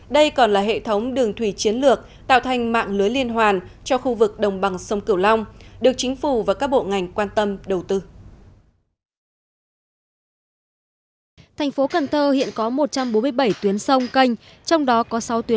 đây còn là hệ thống đường thủy chiến lược tạo thành mạng lưới liên hoàn cho khu vực đồng bằng sông cửu long được chính phủ và các bộ ngành quan tâm đầu tư